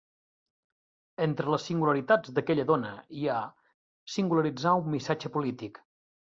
Entre les singularitats d'aquella dona hi ha...Singularitzar un missatge polític.